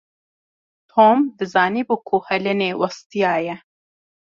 Tom dizanibû ku Helenê westiyaye.